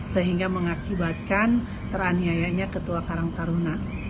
sehingga mengakibatkan teraniayanya ketua karantaruna